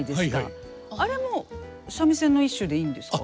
あれも三味線の一種でいいんですか？